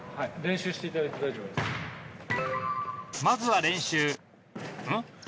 まずは練習うん？